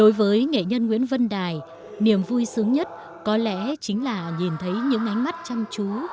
đối với nghệ nhân nguyễn văn đài niềm vui sướng nhất có lẽ chính là nhìn thấy những ánh mắt chăm chú